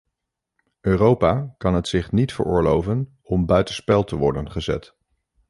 Europa kan het zich niet veroorloven om buitenspel te worden gezet.